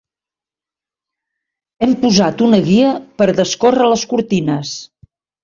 Hem posat una guia per a descórrer les cortines.